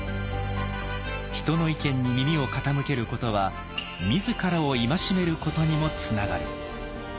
人の意見に耳を傾けることは自らを戒めることにもつながる。